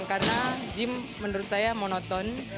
karena gym menurut saya monoton